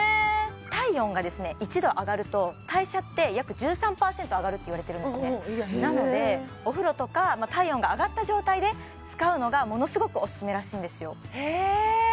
体温が１度上がると代謝って約１３％上がるっていわれてるんですねなのでお風呂とか体温が上がった状態で使うのがものすごくオススメらしいんですよへえ！